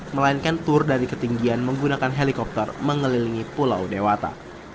melainkan tur dari ketinggian menggunakan helikopter mengelilingi pulau dewata